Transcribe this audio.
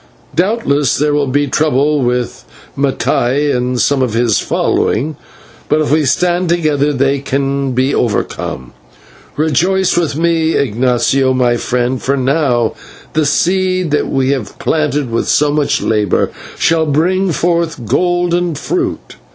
Doubtless there will be trouble with Mattai and some of his following, but if we stand together they can be overcome. Rejoice with me, Ignatio, my friend, for now the seed that we have planted with so much labour shall bring forth golden fruit."